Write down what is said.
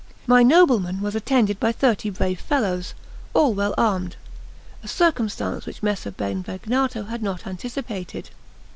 My nobleman was attended by thirty brave fellows, all well armed; a circumstance which Messer Benvegnato had not anticipated.